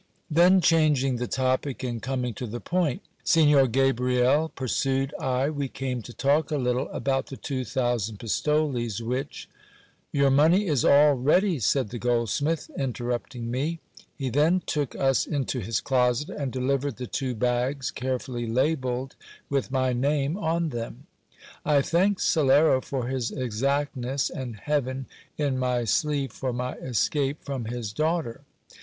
Then changing the topic, and coming to the point : Signor Gabriel, pursued I, we came to talk a little about the two thousand pistoles which .... Your money is all ready, said the goldsmith, interrupting me. He then took us into his closet, and delivered the two bags, carefully labelled with my name on them. I thanked Salero for his exactness, and heaven in my sleeve for my escape from his daughter.